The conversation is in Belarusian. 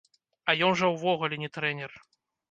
А ён жа ўвогуле не трэнер!